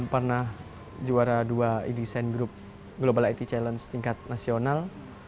pernah juara dua e design group global it challenge tingkat nasional